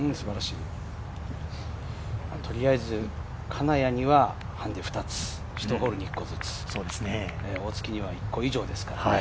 とりあえず金谷にはハンデ２つ、１ホールに１個ずつ、大槻には１個以上ですからね。